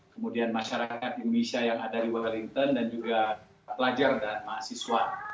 kemudian masyarakat indonesia yang ada di wellington dan juga pelajar dan mahasiswa